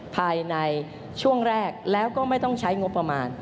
ภายในช่วงแรกแล้วก็ไม่ต้องใช้งบประมาณ